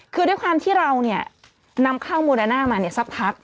คือด้วยความที่เรานำข้าวโมดาน่ามาสักพัก